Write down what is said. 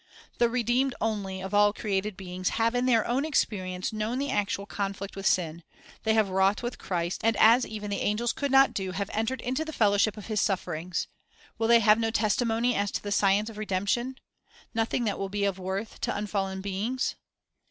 The redeemed only, of all created beings, have in their own experience known the actual conflict with sin; they have wrought with Christ, and, as even the angels could not do, have entered into the fellowship of His sufferings; will they have no tes timony as to the science of redemption, — nothing that will be of worth to unfallen beings?